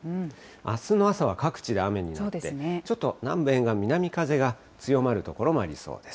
あすの朝は各地で雨になって、ちょっと南部沿岸、南風が強まる所もありそうです。